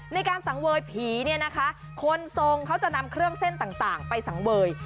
ในการสังเวยผีเนี่ยนะคะคนทรงเขาจะนำเครื่องเส้นต่างไปสังเวย